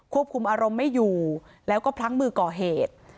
ควบคุมอารมณ์ไม่อยู่แล้วก็พลั้งมือก่อเหตุ